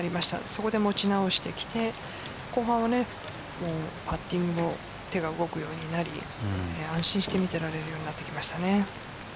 そこで持ち直してきて後半パッティングも手が動くようになり安心して見ていられるようになってきましたね。